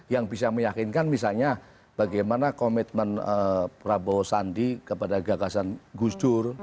yang bisa meyakinkan misalnya bagaimana komitmen prabowo sandi kepada gagasan gus dur